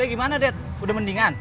bape gimana det udah mendingan